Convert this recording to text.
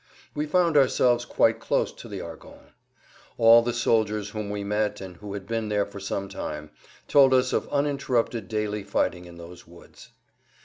We found ourselves quite close to the Argonnes. All the soldiers whom we met and who had been there for some time told us of uninterrupted daily fighting in those woods.